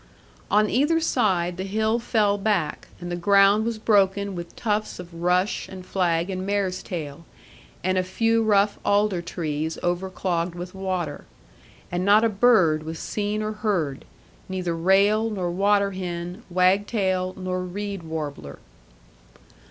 On either side, the hill fell back, and the ground was broken with tufts of rush, and flag, and mares tail, and a few rough alder trees overclogged with water. And not a bird was seen or heard, neither rail nor water hen, wag tail nor reed warbler.